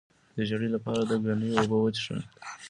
د ژیړي لپاره د ګنیو اوبه وڅښئ